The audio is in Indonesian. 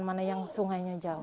mana yang sungainya jauh